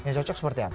yang cocok seperti apa